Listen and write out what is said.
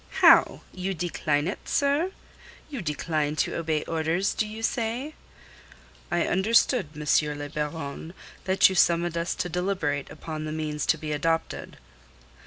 "How? You decline it, 'sir? You decline to obey orders, do you say?" "I understood, M. le Baron, that you summoned us to deliberate upon the means to be adopted."